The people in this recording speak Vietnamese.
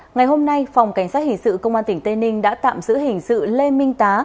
ngày hôm nay phòng cảnh sát hình sự công an tỉnh tây ninh đã tạm giữ hình sự lê minh tá